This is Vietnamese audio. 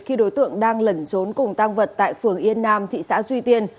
khi đối tượng đang lẩn trốn cùng tăng vật tại phường yên nam thị xã duy tiên